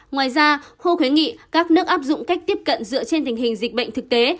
ngoài ra ho khuyến nghị các nước áp dụng cách tiếp cận dựa trên tình hình dịch bệnh thực tế